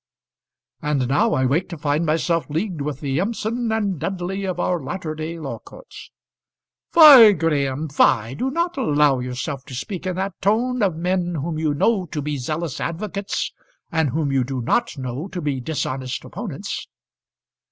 "And now I wake to find myself leagued with the Empson and Dudley of our latter day law courts." "Fie, Graham, fie. Do not allow yourself to speak in that tone of men whom you know to be zealous advocates, and whom you do not know to be dishonest opponents."